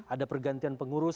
ada pergantian pengurus